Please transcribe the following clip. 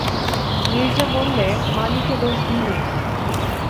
নীরজা বললে, মালীকে দোষ দিই নে।